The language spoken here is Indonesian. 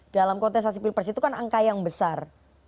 dalam konteks asipil pers itu kan angka yang besar